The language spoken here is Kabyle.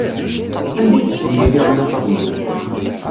Anda ay d-ttemliliɣ Nna Faḍma?